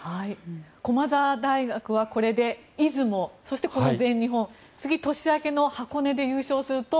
駒澤大学はこれで出雲、そしてこの全日本次、年明けの箱根で優勝すると。